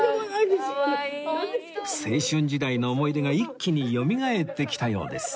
青春時代の思い出が一気によみがえってきたようです